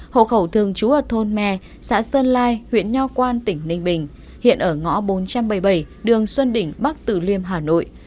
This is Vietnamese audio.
hộ khẩu thường trú ở thôn me xã sơn lai huyện nho quan tỉnh ninh bình hiện ở ngõ bốn trăm bảy mươi bảy đường xuân đỉnh bắc tử liêm hà nội